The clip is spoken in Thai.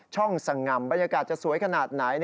สง่ำบรรยากาศจะสวยขนาดไหน